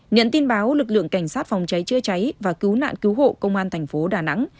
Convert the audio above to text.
nhận tin báo lực lượng cảnh sát phòng cháy chữa cháy và cứu nạn cứu hộ công an thành phố đà nẵng